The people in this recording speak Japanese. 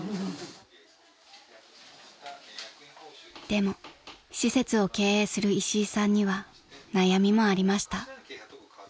［でも施設を経営する石井さんには悩みもありました］